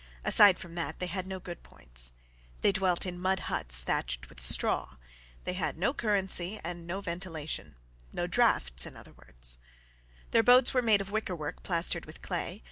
Aside from that, they had no good points. They dwelt in mud huts thatched with straw. They had no currency and no ventilation, no drafts, in other words. Their boats were made of wicker work plastered with clay.